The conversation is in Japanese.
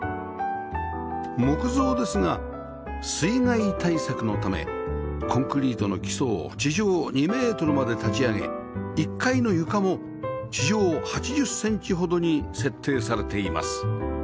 木造ですが水害対策のためコンクリートの基礎を地上２メートルまで立ち上げ１階の床も地上８０センチほどに設定されています